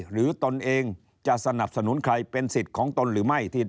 ตนเองจะสนับสนุนใครเป็นสิทธิ์ของตนหรือไม่